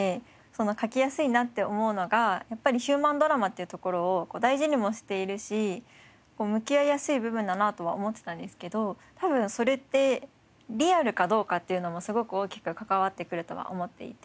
書きやすいなって思うのがやっぱりヒューマンドラマっていうところを大事にもしているし向き合いやすい部分だなとは思ってたんですけど多分それってリアルかどうかっていうのもすごく大きく関わってくるとは思っていて。